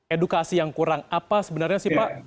edukasi yang kurang apa sebenarnya sih pak